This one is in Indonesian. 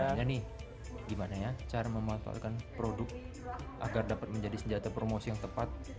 ini gimana ya cara memanfaatkan produk agar dapat menjadi senjata promosi yang tepat